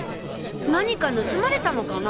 何か盗まれたのかな？